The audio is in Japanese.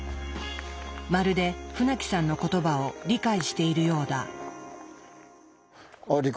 まるで船木さんの言葉を理解しているようだ。